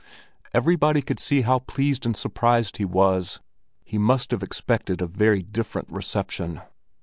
Everybody could see how pleased and surprised he was. He must have expected a very different reception.